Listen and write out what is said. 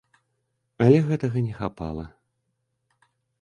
Але гэтага не хапала.